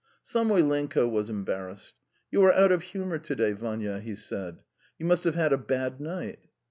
Samoylenko was embarrassed. "You are out of humour to day, Vanya," he said. "You must have had a bad night."